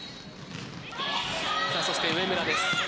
そして上村です。